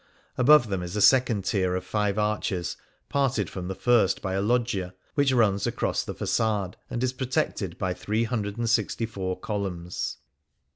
Above them is a second tier of five arches, parted from the first by a loggia which runs across the facade, and is protected by three hundred and sixty four columns.